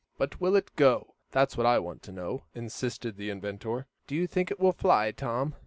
"But will it go? That's what I want to know," insisted the inventor. "Do you think it will fly, Tom?